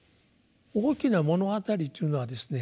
「大きな物語」っていうのはですね